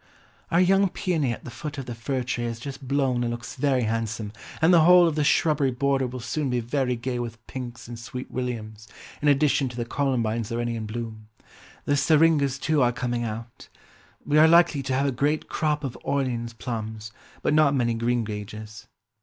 "Our young piony at the foot of the firtree has just blown and looks very handsome, and the whole of the shrubbery border will soon be very gay with pinks and sweet williams, in addition to the columbines already in bloom. The Syringas too are coming out. We are likely to have a great crop of Orleans plums, but not many greengages."